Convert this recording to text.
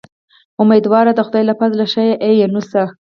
امیدوار د خدای له فضله شه اې یونسه.